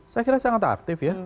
saya kira sangat aktif ya